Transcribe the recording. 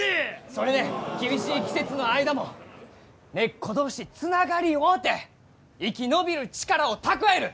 それで厳しい季節の間も根っこ同士つながり合うて生き延びる力を蓄える！